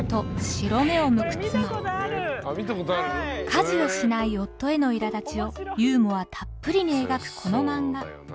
家事をしない夫へのいらだちをユーモアたっぷりに描くこの漫画。